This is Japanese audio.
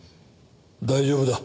大丈夫だ。